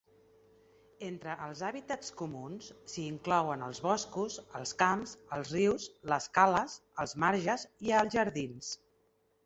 Entre els hàbitats comuns, s'hi inclouen els boscos, els camps, els rius, les cales, els marges i els jardins.